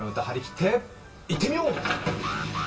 張り切っていってみよう！